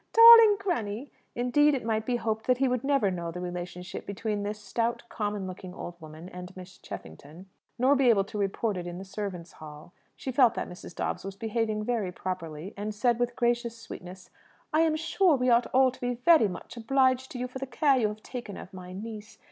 darling granny!" Indeed, it might be hoped that he would never know the relationship between this stout, common looking old woman and Miss Cheffington; nor be able to report it in the servants' hall. She felt that Mrs. Dobbs was behaving very properly, and said with gracious sweetness, "I'm sure we ought all to be very much obliged to you for the care you have taken of my niece.